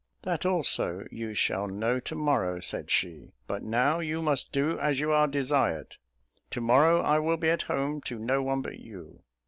"That also you shall know, to morrow," said she; "but now you must do as you are desired. To morrow, I will be at home to no one but you."